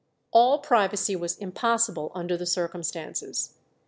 All privacy was impossible under the circumstances.